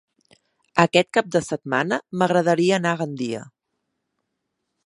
Aquest cap de setmana m'agradaria anar a Gandia.